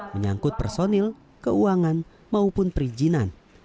menyangkut personil keuangan maupun perizinan